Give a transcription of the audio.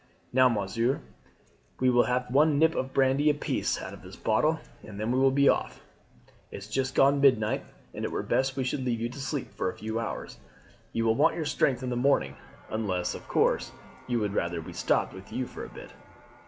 Now, monsieur, we will just have one nip of brandy apiece out of this bottle, and then we will be off. It's just gone midnight, and it were best we should leave you to sleep for a few hours. You will want your strength in the morning, unless, of course, you would rather we stopped with you for a bit."